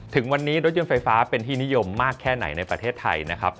ถึงวันนี้รถยนต์ไฟฟ้าเป็นที่นิยมมากแค่ไหนในประเทศไทยนะครับ